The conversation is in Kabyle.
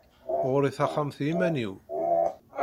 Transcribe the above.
Ɣur-i taxxamt i iman-iw.